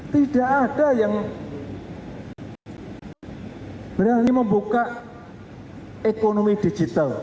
tidak ada yang berani membuka ekonomi digital